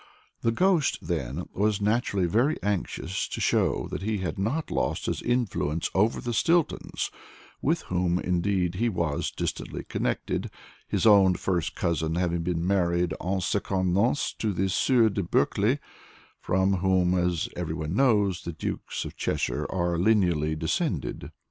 The ghost, then, was naturally very anxious to show that he had not lost his influence over the Stiltons, with whom, indeed, he was distantly connected, his own first cousin having been married en secondes noces to the Sieur de Bulkeley, from whom, as everyone knows, the Dukes of Cheshire are lineally descended.